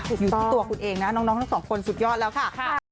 อยู่ที่ตัวคุณเองนะน้องทั้งสองคนสุดยอดแล้วค่ะ